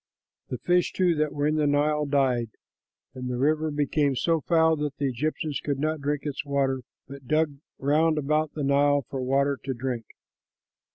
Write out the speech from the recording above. The fish, too, that were in the Nile died, and the river became so foul that the Egyptians could not drink its water, but dug round about the Nile for water to drink.